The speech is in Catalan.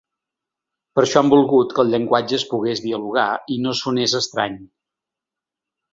Per això han volgut que el llenguatge es pogués dialogar i no sonés estrany.